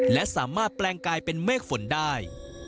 และสามารถแปลงกลายเป็นเมฆฝนได้